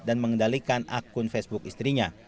mengendalikan akun facebook istrinya